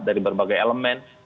dari berbagai elemen